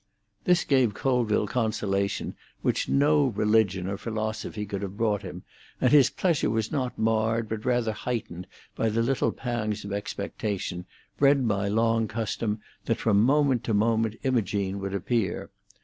This gave Colville consolation which no religion or philosophy could have brought him, and his pleasure was not marred, but rather heightened, by the little pangs of expectation, bred by long custom, that from moment to moment Imogene would appear.